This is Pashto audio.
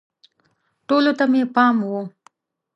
ټولو ته یې پام و